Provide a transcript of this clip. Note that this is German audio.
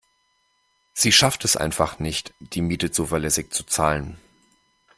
Sie schafft es einfach nicht, die Miete zuverlässig zu zahlen.